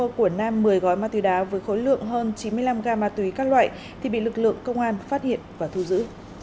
vào ngày bảy tháng bảy năm hai nghìn hai mươi một nguyễn mua của nam một mươi gói ma túy đá với khối lượng hơn chín mươi năm g ma túy các loại thì bị lực lượng công an phát hiện và thu giữ